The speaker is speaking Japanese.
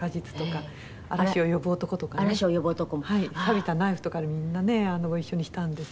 「『びたナイフ』とかでみんなねご一緒にしたんです」